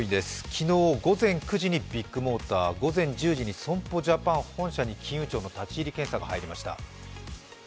昨日、午前９時にビッグモーター、午前１０時に損保ジャパン本社に金融庁の立ち入り検査が入りました。